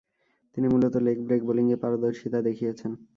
তিনি মূলতঃ leg break বোলিংয়ে পারদর্শিতা দেখিয়েছেন।